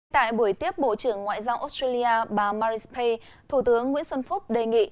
tại buổi tiếp bộ trưởng ngoại giao australia bà maris paye thủ tướng nguyễn xuân phúc đề nghị